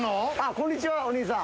こんにちはお兄さん。